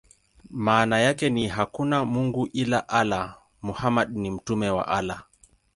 Maana yake ni: "Hakuna mungu ila Allah; Muhammad ni mtume wa Allah".